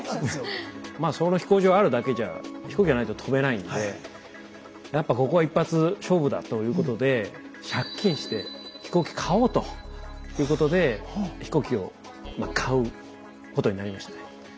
まあその飛行場あるだけじゃ飛行機がないと飛べないんでやっぱここは一発勝負だということで借金して飛行機買おうということで飛行機をまあ買うことになりましたね。